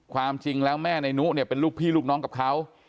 ความจริงแล้วแม่ในนุเนี่ยเป็นลูกพี่ลูกน้องกับเขา